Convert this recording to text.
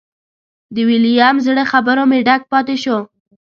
د ویلیم زړه خبرو مې ډک پاتې شو.